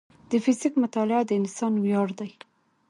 د فزیک مطالعه د انسان ویاړ دی.